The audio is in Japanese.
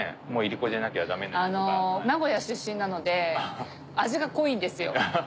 名古屋出身なので味が濃いんですよ。